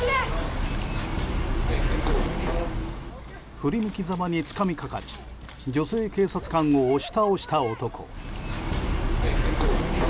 振り向きざまにつかみかかり女性警察官を押し倒した男。